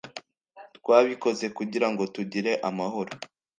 twabikoze kugira ngo tugire amahoro